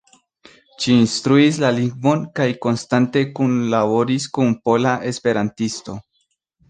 Ŝi instruis la lingvon kaj konstante kunlaboris kun Pola Esperantisto.